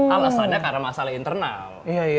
alasannya karena masalah internal